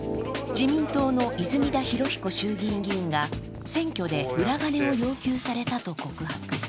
自民党の泉田裕彦衆議院議員が選挙で裏金を要求されたと告白。